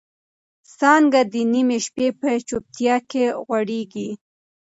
څانګه د نيمې شپې په چوپتیا کې غوړېږي.